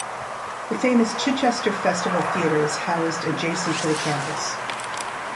The famous Chichester Festival Theatre is housed adjacent to the campus.